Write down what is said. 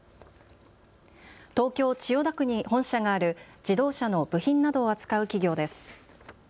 東京・千代田区に本社がある自動車の部品などを扱う企業です。